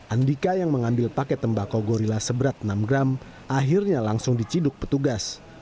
andika yang mengambil paket tembakau gorilla seberat enam gram akhirnya langsung diciduk petugas